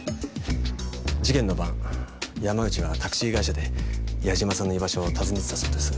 事件の晩山内はタクシー会社で八嶋さんの居場所を尋ねてたそうです。